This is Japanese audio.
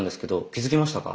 気付きましたか？